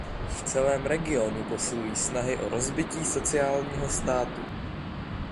V celém regionu posilují snahy o rozbití sociálního státu.